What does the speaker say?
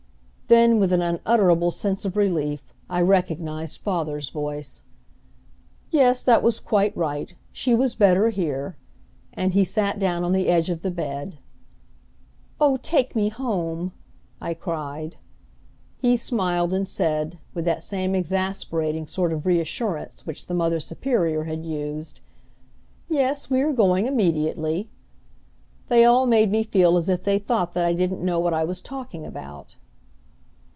Then, with an unutterable sense of relief, I recognized father's voice. "Yes, that was quite right. She was better here." And he sat down on the edge of the bed. "Oh, take me home!" I cried. He smiled, and said, with that same exasperating sort of reassurance which the Mother Superior had used, "Yes, we are going immediately." They all made me feel as if they thought that I didn't know what I was talking about.